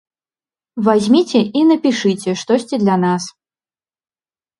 Вазьміце і напішыце штосьці для нас!